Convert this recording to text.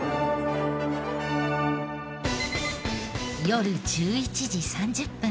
夜１１時３０分。